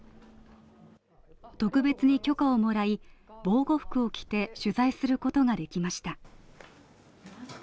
特別に許可をもらい、防護服を着て取材することができました。